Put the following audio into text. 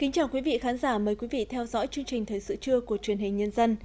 chào mừng quý vị đến với bộ phim thời sự trưa của truyền hình nhân dân